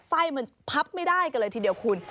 ไส้มันพับไม่ได้กันเลยทีเดียวคุณ